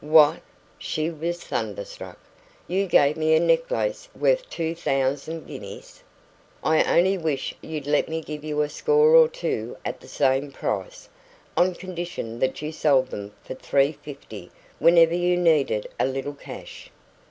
"What!" She was thunderstruck. "You gave me a necklace worth two thousand guineas?" "I only wish you'd let me give you a score or two at the same price, on condition that you sold them for three fifty whenever you needed a little cash."